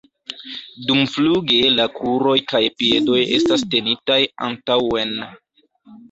Dumfluge la kruroj kaj piedoj estas tenitaj antaŭen.